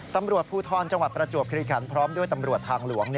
ตำรวจภูทรจังหวัดประจวบคิริขันพร้อมด้วยตำรวจทางหลวง